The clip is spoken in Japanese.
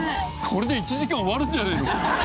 これで１時間終わるんじゃないの？